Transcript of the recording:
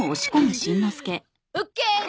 オッケー！